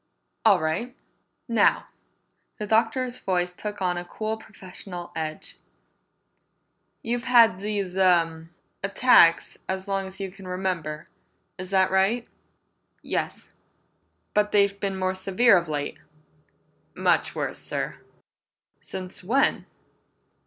"All right. Now," the Doctor's voice took on a cool professional edge, "you've had these uh attacks as long as you can remember. Is that right?" "Yes." "But they've been more severe of late?" "Much worse, sir!" "Since when?"